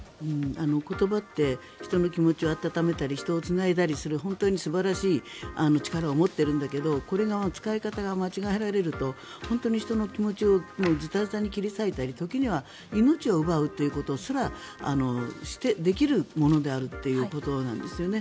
言葉って人の気持ちを温めたり人をつないだりする本当に素晴らしい力を持っているんだけどこれが使い方が間違えられると本当に人の気持ちをずたずたに切り裂いたり時には命を奪うということすらできるものであるということなんですよね。